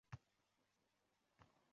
Sizga hammasini gapirib beraman